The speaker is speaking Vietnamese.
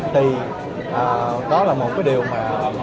thì đó là một cái điều mà